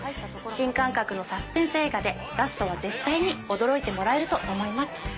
新感覚のサスペンス映画でラストは絶対に驚いてもらえると思います。